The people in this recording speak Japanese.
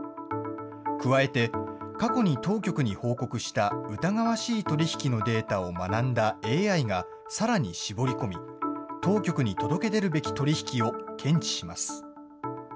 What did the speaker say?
加えて、過去に当局に報告した疑わしい取り引きのデータを学んだＡＩがさらに絞り込み、当局に届け出るべき取り引きを検知します。